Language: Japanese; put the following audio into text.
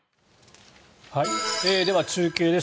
では、中継です。